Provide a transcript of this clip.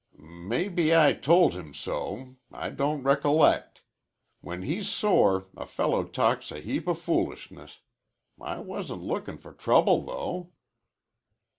"Maybe I told him so. I don't recollect. When he's sore a fellow talks a heap o' foolishness. I wasn't lookin' for trouble, though."